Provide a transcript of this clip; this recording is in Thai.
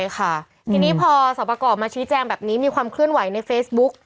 ทีนี้พอสรรพากรมาชี้แจ้งแบบนี้มีความเคลื่อนไหวในเฟซบุ๊ค